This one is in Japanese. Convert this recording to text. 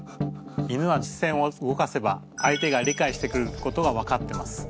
犬は視線を動かせば相手が理解してくれることが分かってます。